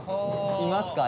いますか？